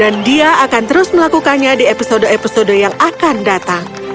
dan dia akan terus melakukannya di episode episode yang akan datang